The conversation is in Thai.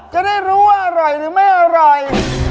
จะได้รู้ว่าอร่อยหรือไม่อร่อย